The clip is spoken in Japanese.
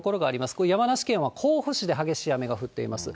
これ、山梨県は甲府市で激しい雨が降っています。